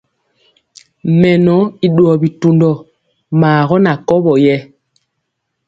Mɛnɔ i ɗuwɔ bitundɔ maa gɔ na kɔwɔ yɛ.